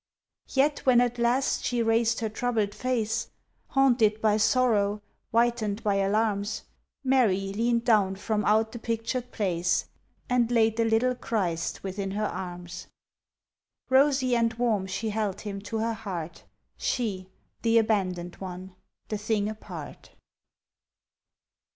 Yet when at last she raised her troubled face, Haunted by sorrow, whitened by alarms, Mary leaned down from out the pictured place, And laid the little Christ within her arms. Rosy and warm she held Him to her heart, She the abandoned one the thing apart.